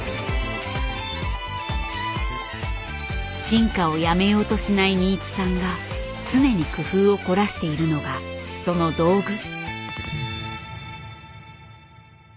進化をやめようとしない新津さんが常に工夫を凝らしているのがその道具。